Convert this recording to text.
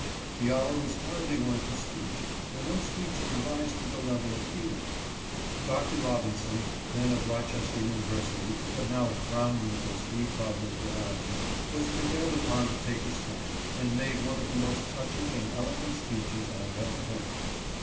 The hour was hardly one for speech, for no speech could rise to the level of feeling. Doctor Robinson, then of Rochester University, but now of "Brown University, Providence, R. I., was prevailed upon to take the stand, and made one of the most touching and eloquent speeches I ever heard.